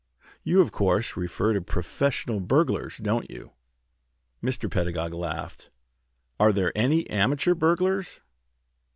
You, of course, refer to professional burglars, don't you?" Mr. Pedagog laughed. "Are there any amateur burglars?"